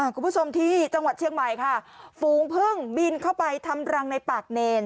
คุณผู้ชมที่จังหวัดเชียงใหม่ค่ะฝูงพึ่งบินเข้าไปทำรังในปากเนร